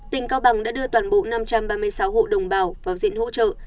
tỉnh cao bằng đã đưa toàn bộ năm trăm ba mươi sáu hộ đồng bào vào diện hỗ trợ